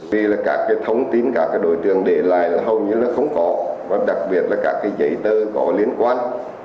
vì là các cái thông tin các đối tượng để lại là hầu như là không có và đặc biệt là các cái giấy tờ có liên quan